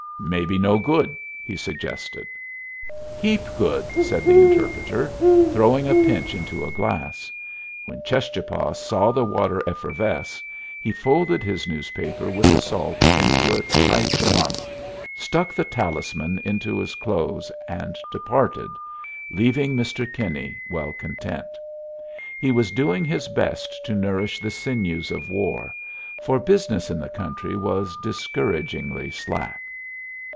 "Maybe no good," he suggested. "Heap good!" said the interpreter, throwing a pinch into a glass. When Cheschapah saw the water effervesce, he folded his newspaper with the salt into a tight lump, stuck the talisman into his clothes, and departed, leaving Mr. Kinney well content. He was doing his best to nourish the sinews of war, for business in the country was discouragingly slack.